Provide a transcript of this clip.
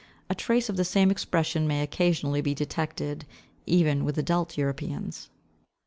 A trace of the same expression may occasionally be detected even with adult Europeans.